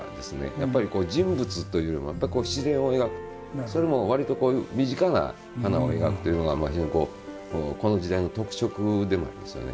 やっぱり人物というよりもやっぱり自然を描くそれも割とこういう身近な花を描くというのが非常にこの時代の特色でもありますよね。